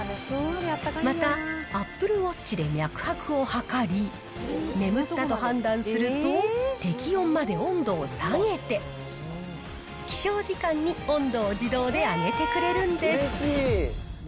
また、アップルウォッチで脈拍を測り、眠ったと判断すると、適温まで温度を下げて、起床時間に温度を自動で上げてくれるんです。